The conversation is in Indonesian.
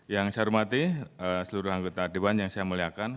yang saya hormati seluruh anggota dewan yang saya muliakan